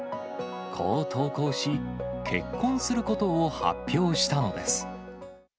こう投稿し、結婚することを発表したのです。